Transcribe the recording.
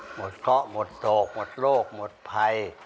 หมดเคราะห์หมดโต๊คหมดโรคหมดภัย